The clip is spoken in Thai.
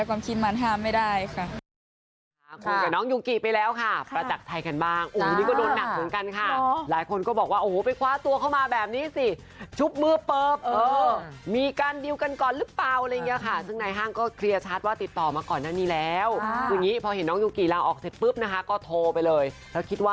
ความคิดใครความคิดมันห้ามไม่ได้ค่ะ